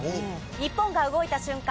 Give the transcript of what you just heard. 日本が動いた瞬間